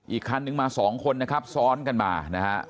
อีกคันนึงมาสองคนนะครับซ้อนกันมานะฮะ